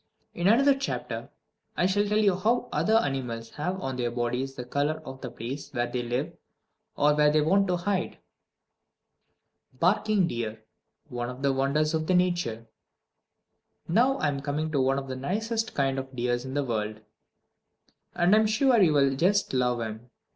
In another chapter I shall tell you how other animals have on their bodies the color of the place where they live, or where they want to hide. Barking Deer One of the Wonders of Nature Now I am coming to one of the nicest kinds of deer in the world, and I am sure you will just love him!